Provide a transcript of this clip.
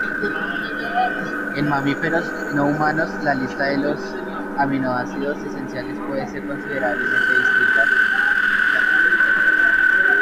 En mamíferos no humanos, la lista de los aminoácidos esenciales puede ser considerablemente distinta.